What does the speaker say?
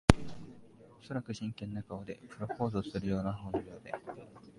おそらく真剣な顔で。プロポーズをするときのような表情で。